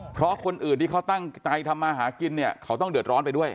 เพราะคนอื่นที่เขาตั้งใจทำมาหากินเนี่ยเขาต้องเดือดร้อนไปด้วย